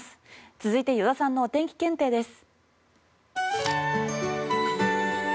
続いて依田さんのお天気検定です。